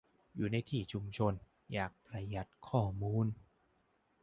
อยู่ในที่ชุมนุมชน อยากประหยัดข้อมูล